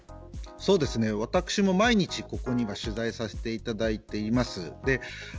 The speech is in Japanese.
私も毎日ここには取材させていただいています。